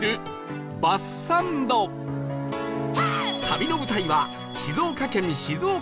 旅の舞台は静岡県静岡市